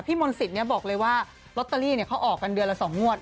พี่มนต์สิตเนี่ยบอกเลยว่าลอตเตอรี่เนี่ยเขาออกกันเดือนละ๒งวด